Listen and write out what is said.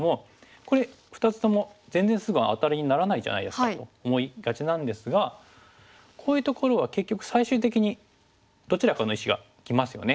これ２つとも全然すぐアタリにならないじゃないですかと思いがちなんですがこういうところは結局最終的にどちらかの石がきますよね。